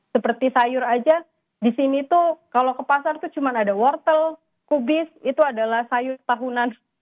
seperti sayur aja di sini tuh kalau ke pasar itu cuma ada wortel kubis itu adalah sayur tahunan